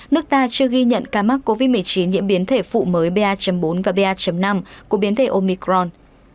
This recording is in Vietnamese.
nước ta chưa ghi nhận ca mắc covid một mươi chín nhiễm biến thể phụ mới ba bốn và ba năm của biến thể omicron